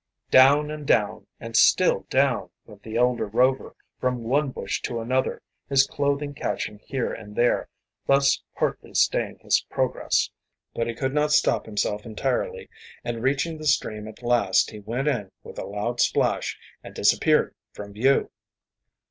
Down and down, and still down, went the elder Rover, from one bush to another, his clothing catching here and there, thus partly staying his progress. But he could not stop himself entirely, and reaching the stream at last he went in with a loud splash and disappeared from view!